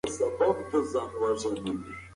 موږ باید خپله ټولنه وپېژنو.